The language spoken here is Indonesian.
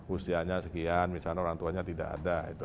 usianya sekian misalnya orang tuanya tidak ada